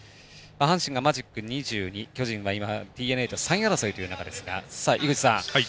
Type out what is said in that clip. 阪神がマジック２２巨人がＤｅＮＡと３位争いという中ですが井口さん